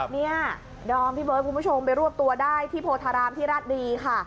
เนี่ยดอมพี่เบิร์ดคุณผู้ชมไปรวบตัวได้ที่โพธารามที่ราชรีค่ะ